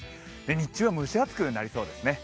日中は蒸し暑くなりそうですね。